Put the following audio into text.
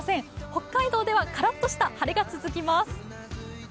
北海道ではカラッとした晴れが続きます。